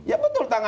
ya betul tangan